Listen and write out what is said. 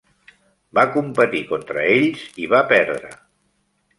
Va competir contra ells i va perdre.